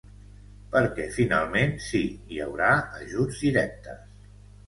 Perquè finalment, sí, hi haurà ajuts directes.